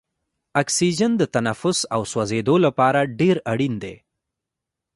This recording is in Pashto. اکسیجن د تنفس او سوځیدو لپاره ډیر اړین دی.